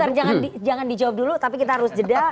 nanti jangan dijawab dulu tapi kita harus jeda